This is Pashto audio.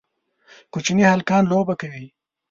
کوچني هلکان لوبه کوي